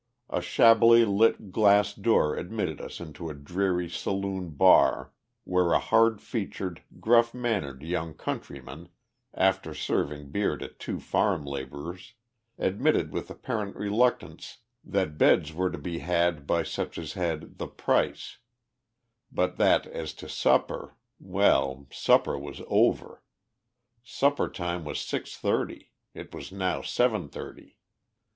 A shabbily lit glass door admitted us into a dreary saloon bar, where a hard featured, gruff mannered young countryman, after serving beer to two farm labourers, admitted with apparent reluctance that beds were to be had by such as had "the price," but that, as to supper, well! supper was "over" supper time was six thirty; it was now seven thirty.